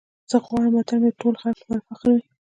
زه غواړم وطن مې د ټولو خلکو لپاره فخر وي.